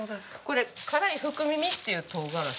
これ辛い福耳っていう唐辛子。